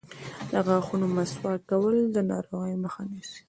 د غاښونو مسواک کول د ناروغیو مخه نیسي.